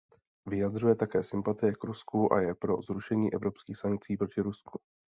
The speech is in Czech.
Vyjadřuje také sympatie k Rusku a je pro zrušení evropských sankcí proti Rusku.